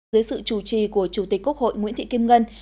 dưới sự chủ trì của chủ tịch quốc hội nguyễn thị kim ngân